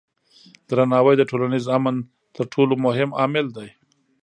درناوی د ټولنیز امن تر ټولو مهم عامل دی.